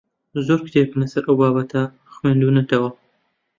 زۆر کتێبم لەسەر ئەو بابەتە خوێندوونەتەوە.